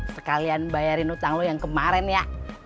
sekalian bayarin utang lu yang kemarin ya